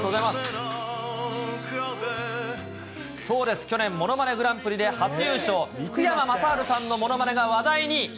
そうです、去年、ものまねグランプリで初優勝、福山雅治さんのものまねが話題に。